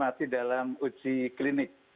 masih dalam uji klinik